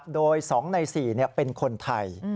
โดย๒ใน๔เป็นคนไทย